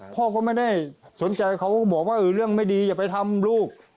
พ่อก็ไม่ได้สนใจเขาก็บอกว่าเรื่องไม่ดีอย่าไปทำลูก